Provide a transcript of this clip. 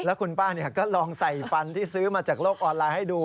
แล้วคุณป้าก็ลองใส่ฟันที่ซื้อมาจากโลกออนไลน์ให้ดู